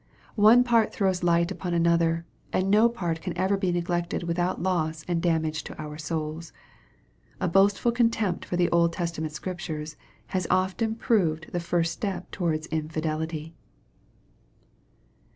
One part throws light upon another, and no part can ever be neglected without loss and damage to our souls. A boastful contempt for the Old Testament Scriptures has often proved the first step towards infidelity.